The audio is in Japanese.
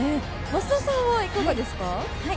増田さんはいかがですか？